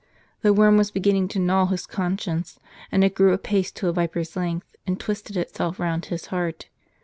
The worm was beginning to gnaw his conscience, and it grew apace to a viper's length, and twisted itself round his heart.